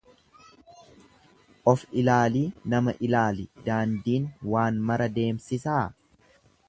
Of ilaalii nama ilaali daandiin waan mara deemsisaa.